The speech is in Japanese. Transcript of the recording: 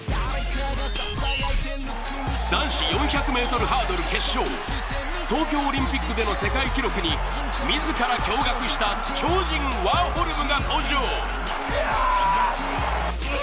男子４００ｍハードル決勝東京オリンピックでの世界記録に自ら驚愕した超人・ワーホルムが登場。